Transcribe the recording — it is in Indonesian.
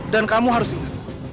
dan kamu harus ingat